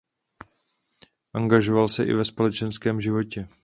Angažoval se i ve společenském životě.